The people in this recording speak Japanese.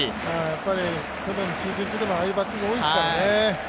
去年のシーズン中でもああいうバッティングは多いですからね。